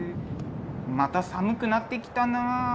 また寒くなってきたなあ。